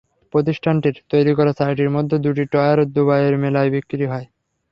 প্রতিষ্ঠানটির তৈরি করা চারটির মধ্যে দুটি টায়ার দুবাইয়ের মেলায় বিক্রি হয়।